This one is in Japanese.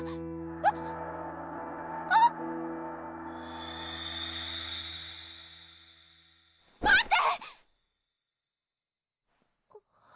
えっ？あっ待って！